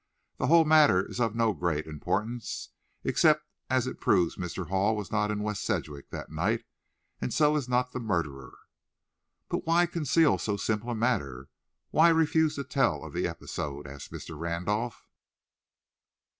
The whole matter is of no great importance except as it proves Mr. Hall was not in West Sedgwick that night, and so is not the murderer." "But why conceal so simple a matter? Why refuse to tell of the episode?" asked Mr. Randolph.